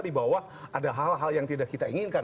di bawah ada hal hal yang tidak kita inginkan